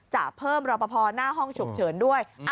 จะเพิ่มรอปภหน้าห้องฉุกเฉินด้วย